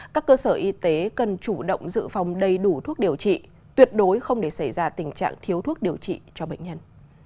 các cơ sở y tế cần chủ động dự phòng đầy đủ thuốc điều trị tuyệt đối không để xảy ra tình trạng thiếu thuốc điều trị cho bệnh nhân